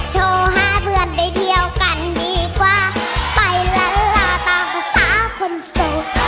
โทรหาเพื่อนได้เที่ยวกันดีกว่าไปละลาตามภาษาคนสุข